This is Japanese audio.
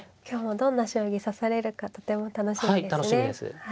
今日もどんな将棋指されるかとても楽しみですね。